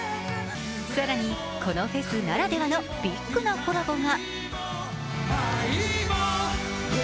更にこのフェスならではのビッグなコラボが。